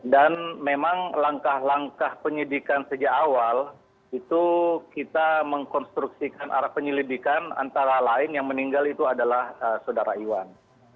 dan memang langkah langkah penyelidikan sejak awal itu kita mengkonstruksikan arah penyelidikan antara lain yang meninggal itu adalah saudara iwan